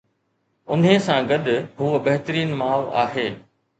انهي سان گڏ، هوء بهترين ماء آهي